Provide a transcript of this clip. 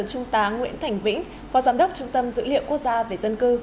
trung tá nguyễn thành vĩnh phó giám đốc trung tâm dữ liệu quốc gia về dân cư